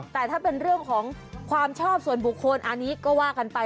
แต่ถ้าเป็นเรื่องของความชอบส่วนบุคคลอันนี้ก็ว่ากันไป